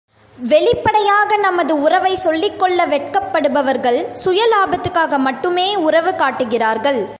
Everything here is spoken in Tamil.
வெளிப்படையாக நமது உறவைச் சொல்லிக் கொள்ள வெட்கப்படுபவர்கள் சுய லாபத்துக்காக மட்டுமே உறவு காட்டுகிறார்கள்.